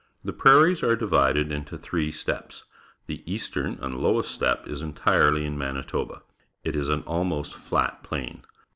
The prairies are divided into three steppes. The eastern and lowest steppe is entirely in Manitoba. It is an almost fiat plain.